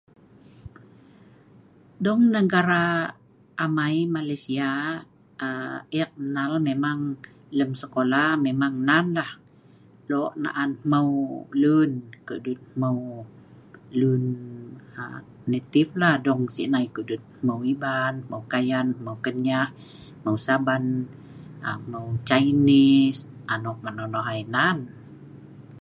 Dong negara amai Malaysia aa eek nnal memang lem skola nan lah loe' naan hmeu lun ko'duet hmeu lun aa native la dong si'nai ko'duet hmeu Iban, hmeu Kayan, hmeu Kenyah, hmeu Saban aa hmeu Chinese anok ma' nonoh ai nan